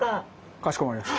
かしこまりました。